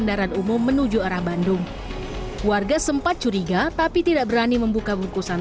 kendaraan umum menuju arah bandung warga sempat curiga tapi tidak berani membuka bungkusan